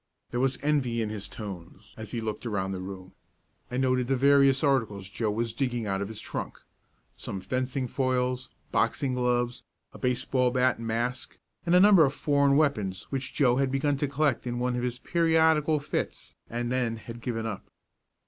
There was envy in his tones as he looked around the room, and noted the various articles Joe was digging out of his trunk some fencing foils, boxing gloves, a baseball bat and mask, and a number of foreign weapons which Joe had begun to collect in one of his periodical fits and then had given up.